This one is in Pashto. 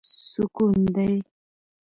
سکون دی.